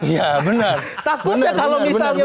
iya benar takutnya kalau misalnya